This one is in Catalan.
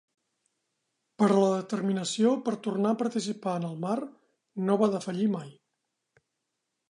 Però la determinació per tornar a participar en el mar no va defallir mai.